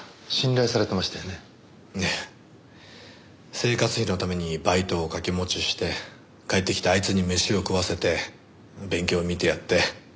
生活費のためにバイトを掛け持ちして帰ってきてあいつに飯を食わせて勉強を見てやって。